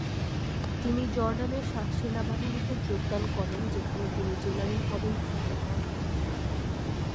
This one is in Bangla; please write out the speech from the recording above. তিনি জর্ডানের সেনাবাহিনীতে যোগদান করেন যেখানে তিনি জেনারেল পদে উত্তীর্ণ হন।